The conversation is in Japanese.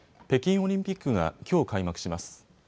北京オリンピックがきょう開幕します。